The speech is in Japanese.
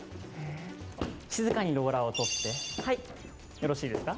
静かにローラを取ってよろしいですか？